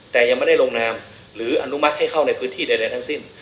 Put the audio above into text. แต่ยังไม่ได้ลงนามหรืออนุมัติให้เข้าในพื้นที่ใดทั้งสิ้น